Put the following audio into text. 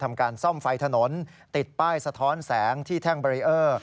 การซ่อมไฟถนนติดป้ายสะท้อนแสงที่แท่งเบรีเออร์